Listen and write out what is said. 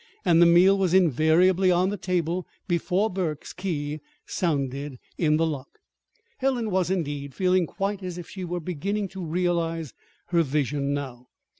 And the meal was invariably on the table before Burke's key sounded in the lock. Helen was, indeed, feeling quite as if she were beginning to realize her vision now.